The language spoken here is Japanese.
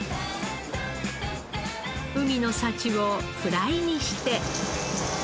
海の幸をフライにして。